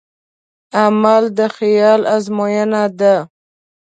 عمل د خیال ازموینه ده.